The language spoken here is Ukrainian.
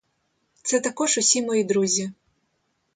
Це також усі мої друзі.